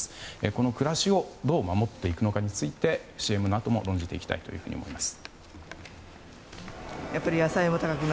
この暮らしをどう守っていくのかについてＣＭのあとも論じていきたいと思います。